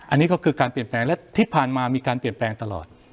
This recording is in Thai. อันนี้ก็คือการเปลี่ยนแปลงและที่ผ่านมามีการเปลี่ยนแปลงตลอด